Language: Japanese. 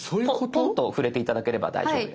トンと触れて頂ければ大丈夫です。